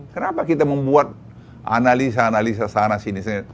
kenapa kita membuat analisa analisa sana sini